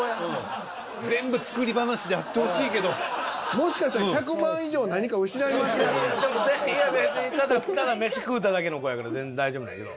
もしかしたら別にただ飯食うただけの子やから全然大丈夫なんやけど。